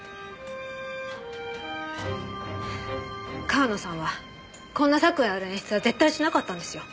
川野さんはこんな作為ある演出は絶対しなかったんですよ。